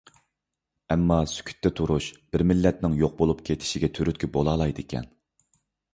ئەمما، سۈكۈتتە تۇرۇش بىر مىللەتنىڭ يوق بولۇپ كېتىشىگە تۈرتكە بولالايدىكەن.